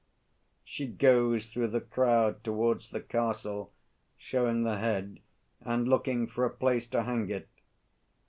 [_She goes through the crowd towards the Castle, showing the head and looking for a place to hang it.